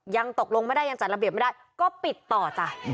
ยังตกลงไม่ได้ยังจัดระเบียบไม่ได้ก็ปิดต่อจ้ะ